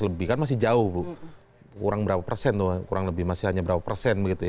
seratus lebih kan masih jauh kurang berapa persen kurang lebih masih hanya berapa persen